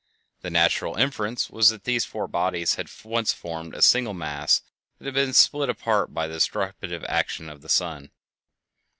The natural inference was that these four bodies had once formed a single mass which had been split apart by the disruptive action of the sun.